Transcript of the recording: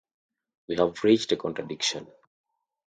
We have reached a contradiction.